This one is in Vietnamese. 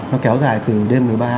nó kéo dài từ đêm một mươi ba